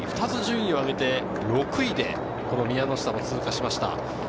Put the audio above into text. ２つ順位を上げて６位で宮ノ下を通過しました。